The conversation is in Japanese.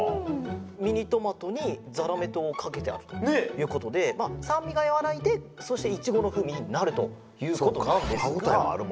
ミニトマトにザラメ糖をかけてあるということで酸味がやわらいでそしてイチゴの風味になるということなんですが。